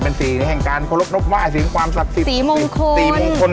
เป็นสีแห่งการขอรบนกว่ายสีมงคล